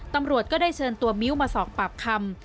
ตำรวจก็ได้เชิญตัวมิ้วมาสอบปากคำ